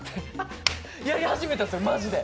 やり始めたんすよマジで。